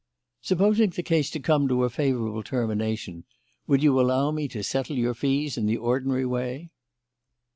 "Supposing the case to come to a favourable termination, would you allow me to settle your fees in the ordinary way?"